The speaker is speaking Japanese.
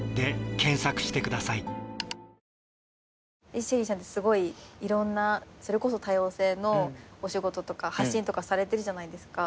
ＳＨＥＬＬＹさんってすごいいろんなそれこそ多様性のお仕事とか発信とかされてるじゃないですか。